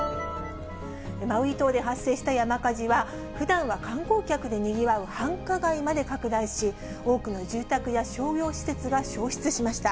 マウイ島で発生した山火事は、ふだんは観光客でにぎわう繁華街まで拡大し、多くの住宅や商業施設が焼失しました。